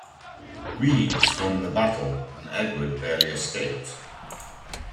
Guigues won the battle and Edward barely escaped.